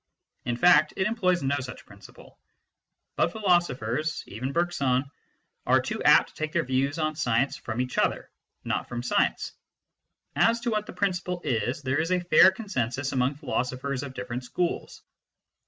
In fact, it employs no such principle, but philosophers even Bergson are too apt to take their views on science from each other, not from science. As to what the principle is, there is a fair consensus among philosophers of different schools.